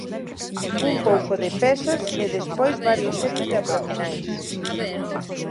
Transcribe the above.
Un pouco de pesas e despois varias series de abdominais.